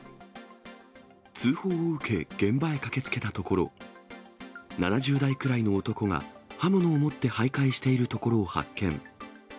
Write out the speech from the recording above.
通報を受け、現場へ駆けつけたところ、７０代くらいの男が、刃物を持ってはいかいしているところを発見。